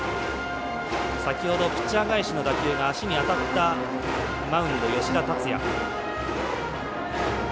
先ほどピッチャー返しの打球が足に当たったマウンド吉田達也。